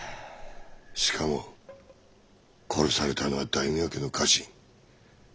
しかも殺されたのは大名家の家臣。